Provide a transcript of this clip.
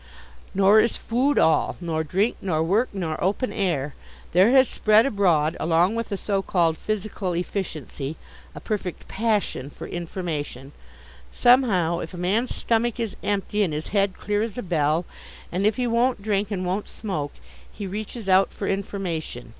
Nor is food all, nor drink, nor work, nor open air. There has spread abroad along with the so called physical efficiency a perfect passion for information. Somehow if a man's stomach is empty and his head clear as a bell, and if he won't drink and won't smoke, he reaches out for information.